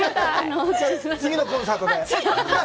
次のコンサートで。